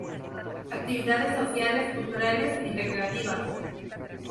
Actividades sociales, culturales y recreativas.